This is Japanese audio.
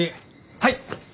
はい！